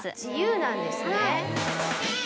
自由なんですね。